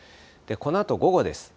このあと午後です。